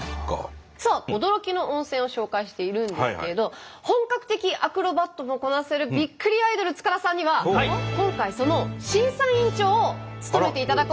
さあ驚きの温泉を紹介しているんですけれど本格的アクロバットもこなせるびっくりアイドル塚田さんには今回その審査員長を務めていただこうと思います。